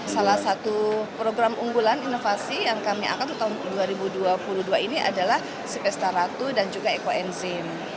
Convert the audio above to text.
salah satu program unggulan inovasi yang kami angkat tahun dua ribu dua puluh dua ini adalah si pesta ratu dan juga ekoenzim